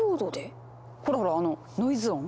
ほらほらあのノイズ音！